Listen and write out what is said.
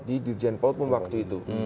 di dirjen polpum waktu itu